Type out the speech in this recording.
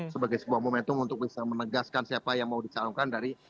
sebagai sebuah momentum untuk menegaskan siapa yang mau dicalonkan dari pdi perjuangan